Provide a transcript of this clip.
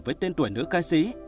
với tên tuổi nữ ca sĩ